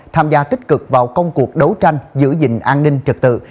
tham gia tích cực vào công cuộc đấu tranh giữ gìn an ninh trật tự